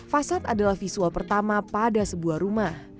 fasad adalah visual pertama pada sebuah rumah